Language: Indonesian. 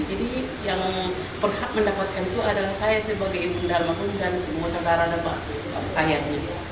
jadi yang perhat mendapatkan itu adalah saya sebagai ibu dalmaku dan semua saudara dan bapak ayahnya